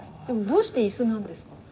でもどうして椅子なんですか？